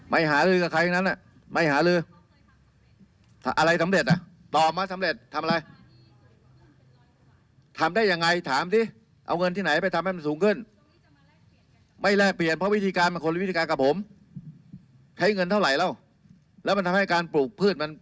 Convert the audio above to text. วันนี้ผลิตยางได้วันได้เท่าไรปีละ๔ล้าน๑แสน